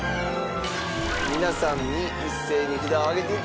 皆さんに一斉に札を上げていただきましょう。